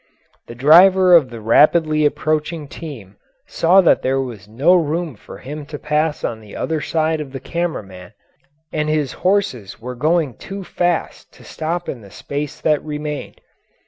The driver of the rapidly approaching team saw that there was no room for him to pass on the other side of the camera man, and his horses were going too fast to stop in the space that remained.